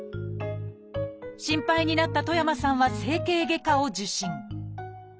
心配になった戸山さんは整形外科を受診。